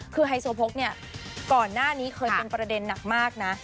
คือไฮโซโพกเนี่ยก่อนหน้านี้เคยเป็นประเด็นหนักมากนะ